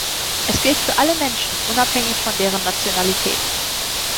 Es gilt für alle Menschen unabhängig von deren Nationalität.